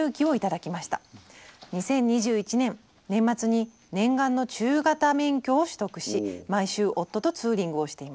２０２１年年末に念願の中型免許を取得し毎週夫とツーリングをしています。